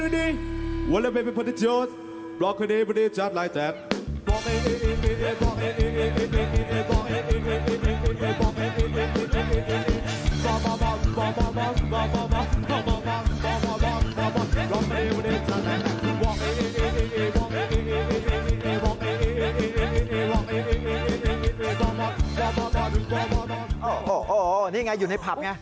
นี่งะอยู่ในผับไง